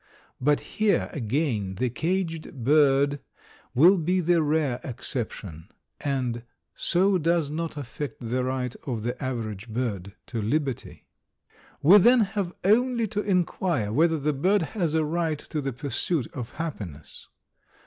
But here, again, the caged bird will be the rare exception and so does not affect the right of the average bird to liberty. We then have only to inquire whether the bird has a right to the pursuit of happiness.